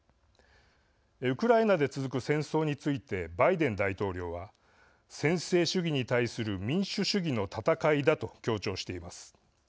ウクライナで続く戦争についてバイデン大統領は専制主義に対する民主主義の戦いだと強調しています。